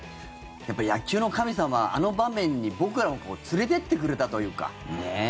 やっぱり野球の神様あの場面に、僕らも連れてってくれたというか。